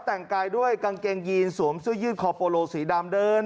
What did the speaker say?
แต่งกายด้วยกางเกงยีนสวมเสื้อยืดคอโปโลสีดำเดิน